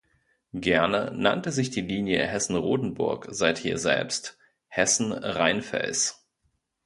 Gerne nannte sich die Linie Hessen-Rotenburg seither selbst Hessen-Rheinfels.